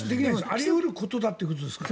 あり得るということですから。